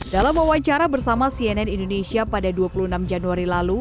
dalam wawancara bersama cnn indonesia pada dua puluh enam januari lalu